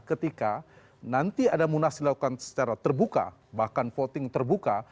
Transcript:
ketika nanti ada munas dilakukan secara terbuka bahkan voting terbuka